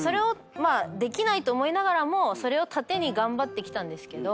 できないと思いながらもそれを盾に頑張ってきたんですけど